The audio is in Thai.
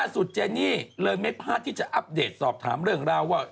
เจนี่เลยไม่พลาดที่จะอัปเดตสอบถามเรื่องราวว่า